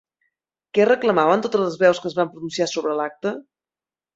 Què reclamaven totes les veus que es van pronunciar sobre l'acte?